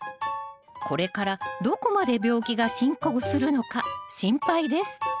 これからどこまで病気が進行するのか心配です